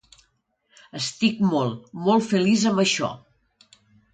Estic molt, molt feliç amb això.